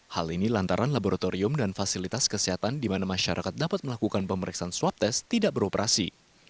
hal ini lantaran laboratorium dan fasilitas kesehatan di mana masyarakat dapat melakukan pemeriksaan swab test tidak beroperasi